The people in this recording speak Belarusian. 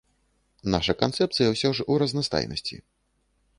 Наша канцэпцыя ўсё ж у разнастайнасці.